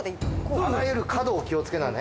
あらゆる角を気をつけなね。